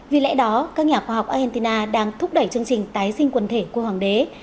vì lẽ đó các nhà khoa học argentina đang thúc đẩy chương trình tái sinh quần thể cua hoàng đế